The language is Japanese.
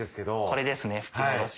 これですね吹き戻し。